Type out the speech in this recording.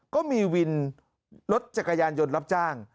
ก็มีวินรถจักรยานยนต์รับจ้าง